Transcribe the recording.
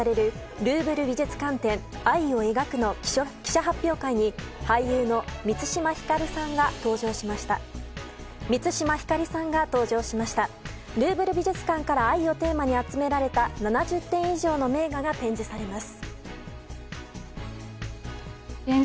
ルーヴル美術館から愛をテーマに集められた７０点以上の名画が展示されます。